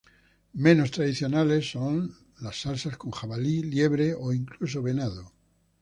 Menos tradicionales son las salsas con jabalí, liebre o incluso venado.